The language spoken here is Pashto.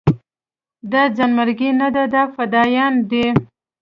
دا ځانمرګي نه دي دا فدايان دي.